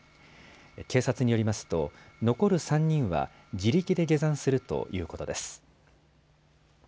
警察によりますと残る３人は自力で下山するということです。